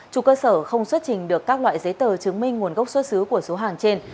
chủ cơ sở không xuất trình được các loại giấy tờ chứng minh nguồn gốc xuất xứ của số hàng trên